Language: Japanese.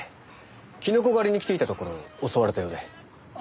キノコ狩りに来ていたところ襲われたようで。